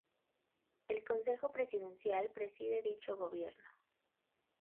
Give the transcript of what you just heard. El Consejo Presidencial preside dicho Gobierno.